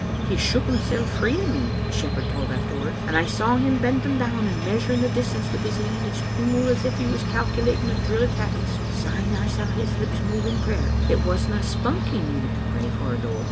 "He shook himsel' free o' me," the shepherd told afterward, " and I saw him bending down and measur ing the distance wi' his een as cool as if he was calculat ing a drill o* tatties. Syne I saw his lips moving in prayer. It wasna spunk he needed to pray for, though.